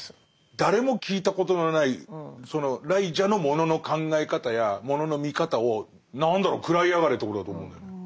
誰も聞いたことのないその癩者のものの考え方やものの見方を何だろう食らいやがれということだと思うんだよね。